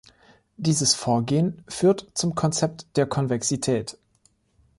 Dieses Vorgehen führt zum Konzept der Konvexität.